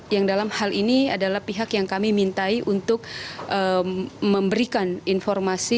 yang dalam hal ini adalah pihak yang kami mintai untuk memberikan informasi